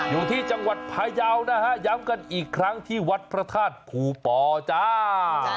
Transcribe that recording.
อยู่ที่จังหวัดพยาวนะฮะย้ำกันอีกครั้งที่วัดพระธาตุภูปอจ้า